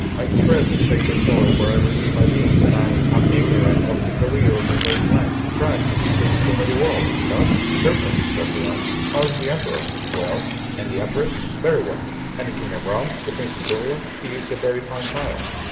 I tread the sacred soil where I received my being, and I am ignorant of the career of my native land. France is still the queen of the world, is she not?" "Certainly," said Léon. "How is the Emperor?" "Well." "And the Empress?" "Very well." "And the King of Rome?" "The Prince Imperial? He is a very fine child."